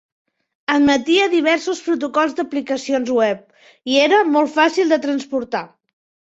Admetia diversos protocols d'aplicacions web i era molt fàcil de transportar.